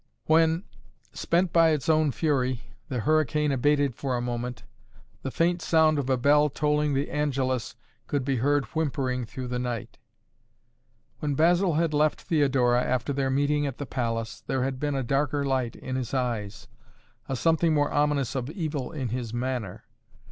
When, spent by its own fury, the hurricane abated for a moment, the faint sound of a bell tolling the Angelus could be heard whimpering through the night. When Basil had left Theodora after their meeting at the palace, there had been a darker light in his eyes, a something more ominous of evil in his manner.